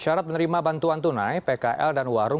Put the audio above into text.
syarat menerima bantuan tunai pkl dan warung